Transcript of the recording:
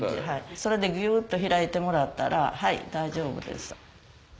それでギュっと開いてもらったらはい大丈夫です。